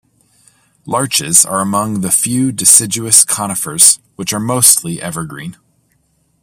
Larches are among the few deciduous conifers, which are mostly evergreen.